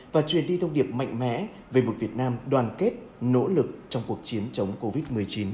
và truyền đi thông điệp mạnh mẽ về một việt nam đoàn kết nỗ lực trong cuộc chiến chống covid